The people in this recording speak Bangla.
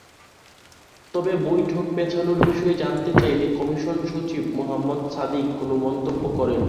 তবে বৈঠক পেছানোর বিষয়ে জানতে চাইলে কমিশন সচিব মোহাম্মদ সাদিক কোনো মন্তব্য করেননি।